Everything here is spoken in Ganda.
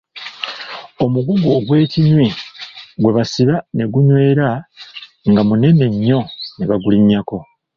Omugugu ogwekinyi gwe basiba ne gunywera nga munene nnyo ne bagulinnyako.